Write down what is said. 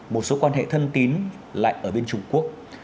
một số quan hệ thân tín lại ở bên trung quốc